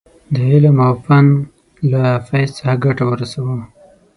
د علم او فن له فیض څخه ګټه ورسوو.